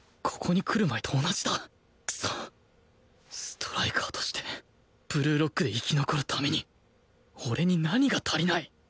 ストライカーとしてブルーロックで生き残るために俺に何が足りない？